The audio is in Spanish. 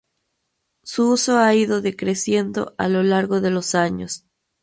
Su uso ha ido decreciendo a lo largo de los años.